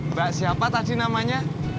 mbak siapa tadi namanya